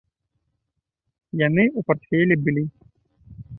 Яны ў партфелі былі.